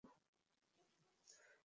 লন্ডনে দেখা হয়েছিল।